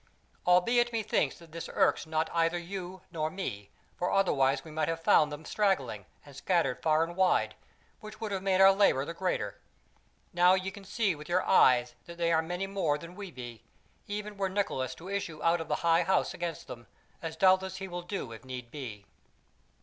Albeit methinks that this irks not either you nor me; for otherwise we might have found them straggling, and scattered far and wide, which would have made our labour the greater. Now ye can see with your eyes that they are many more than we be, even were Nicholas to issue out of the High House against them, as doubtless he will do if need be.